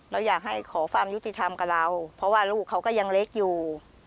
เราอยากให้ขอความยุติธรรมกับเราเพราะว่าลูกเขาก็ยังเล็กอยู่